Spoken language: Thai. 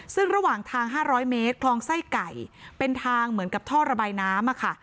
ซึ่งระหว่างทาง๕๐๐เมตรคลองไส้ไก่เป็นทางเหมือนกับท่อระบายน้ำอะค่ะ